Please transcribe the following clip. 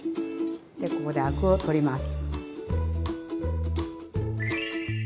でここでアクを取ります。